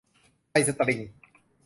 ไทยสตริง